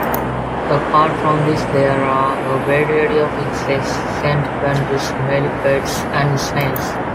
Apart from this, there are a variety of insects, centipedes, millipedes and snails.